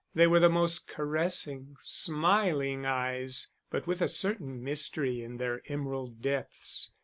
They were the most caressing, smiling eyes, but with a certain mystery in their emerald depths.